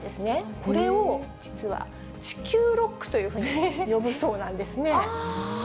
これを実は地球ロックというふうに呼ぶそうなんですね。